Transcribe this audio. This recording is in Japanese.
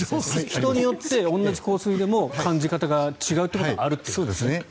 人によって同じ香水でも感じ方が違うということがありますよね。